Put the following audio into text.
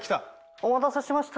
お待たせしました。